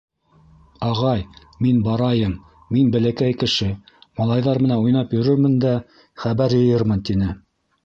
— Ағай, мин барайым, мин бәләкәй кеше, малайҙар менән уйнап йөрөрмөн дә хәбәр йыйырмын, — тине.